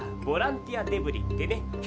ボランティアデブリってね。